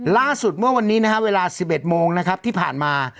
ล่าสุดเมื่อวันนี้นะครับเวลาสิบเอ็ดโมงนะครับที่ผ่านมา